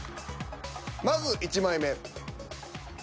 まず１枚目。